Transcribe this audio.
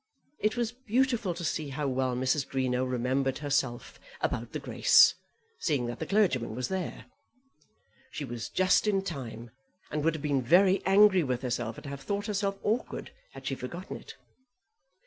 It was beautiful to see how well Mrs. Greenow remembered herself about the grace, seeing that the clergyman was there. She was just in time, and would have been very angry with herself, and have thought herself awkward, had she forgotten it.